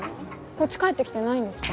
こっち帰ってきてないんですか？